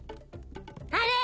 あれ？